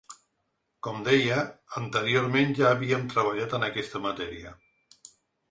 Com deia, anteriorment ja havíem treballat en aquesta matèria.